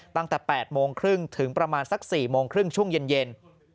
ตั้งแต่๘โมงครึ่งถึงประมาณสัก๔โมงครึ่งช่วงเย็น